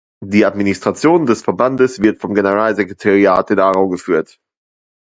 Die Administration des Verbandes wird vom Generalsekretariat in Aarau geführt.